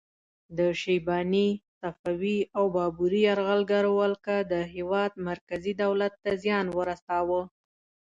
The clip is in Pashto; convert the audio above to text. د شیباني، صفوي او بابري یرغلګرو ولکه د هیواد مرکزي دولت ته زیان ورساوه.